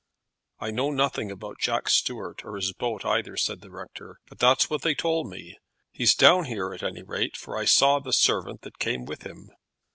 "I know nothing about Jack Stuart or his boat either," said the rector; "but that's what they told me. He's down here, at any rate, for I saw the servant that came with him."